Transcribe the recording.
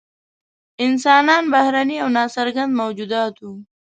انسانان بهرني او نا څرګند موجودات وو.